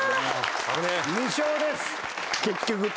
２笑です。